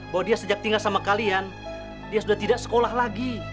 bahwa dia sejak tinggal sama kalian dia sudah tidak sekolah lagi